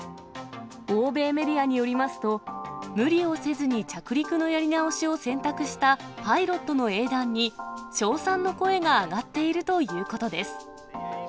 欧米メディアによりますと、無理をせずに着陸のやり直しを選択したパイロットの英断に、称賛の声が上がっているということです。